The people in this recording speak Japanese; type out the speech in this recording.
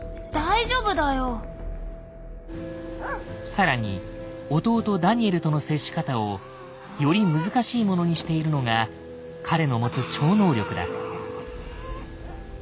更に弟ダニエルとの接し方をより難しいものにしているのが彼の持つ超能力だ。